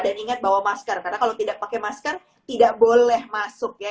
dan ingat bawa masker karena kalau tidak pakai masker tidak boleh masuk ya